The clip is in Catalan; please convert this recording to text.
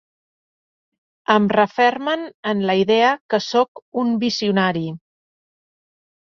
Em refermen en la idea que sóc un visionari.